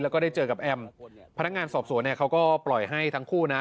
แล้วก็ได้เจอกับแอมพนักงานสอบสวนเนี่ยเขาก็ปล่อยให้ทั้งคู่นะ